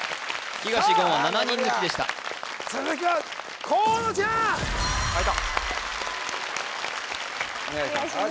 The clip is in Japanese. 東言は７人抜きでした続きは河野ちゃんお願いします